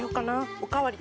おかわり。